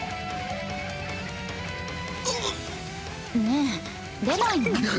ねえ出ないの？